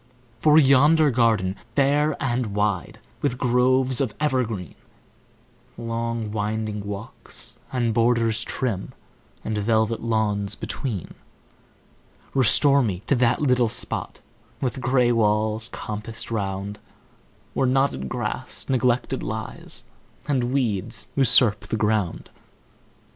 For yonder garden, fair and wide, With groves of evergreen, Long winding walks, and borders trim, And velvet lawns between; Restore to me that little spot, With gray walls compassed round, Where knotted grass neglected lies, And weeds usurp the ground.